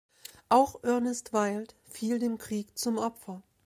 Auch Ernest Wild fiel dem Krieg zum Opfer.